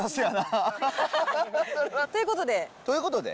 ということで。ということで？